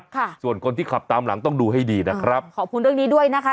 ค่ะส่วนคนที่ขับตามหลังต้องดูให้ดีนะครับขอบคุณเรื่องนี้ด้วยนะคะ